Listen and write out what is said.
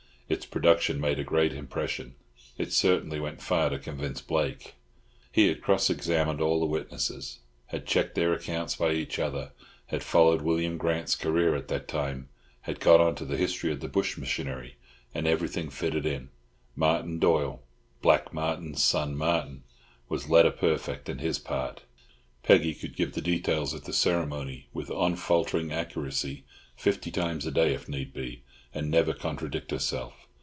Its production made a great impression. It certainly went far to convince Blake. He had cross examined all the witnesses, had checked their accounts by each other, had followed William Grant's career at that time, had got on to the history of the bush missionary; and everything fitted in. Martin Doyle—Black Martin's son Martin—was letter perfect in his part. Peggy could give the details of the ceremony with unfaltering accuracy fifty times a day if need be, and never contradict herself.